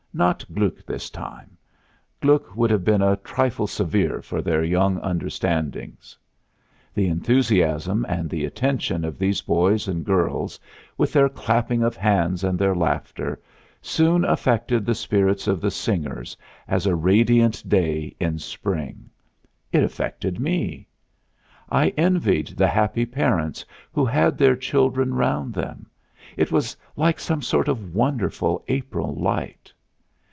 Not Gluck this time; Gluck would have been a trifle severe for their young understandings. The enthusiasm and the attention of these boys and girls, with their clapping of hands and their laughter, soon affected the spirits of the singers as a radiant day in spring; it affected me. I envied the happy parents who had their children round them; it was like some sort of wonderful April light.